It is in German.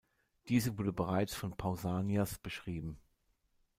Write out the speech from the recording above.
Diese wurde bereits von Pausanias beschrieben.